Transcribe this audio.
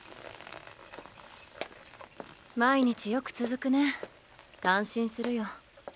毎日よく続くね。感心するよ。